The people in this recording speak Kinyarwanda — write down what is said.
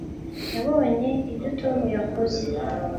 nabonye ibyo tom yakoze